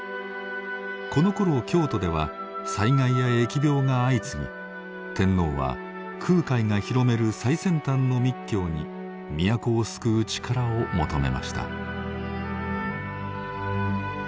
このころ京都では災害や疫病が相次ぎ天皇は空海が広める最先端の密教に都を救う力を求めました。